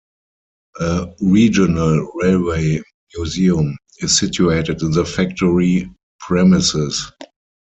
A Regional Railway Museum is situated in the factory premises.